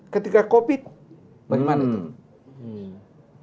ketika covid bagaimana itu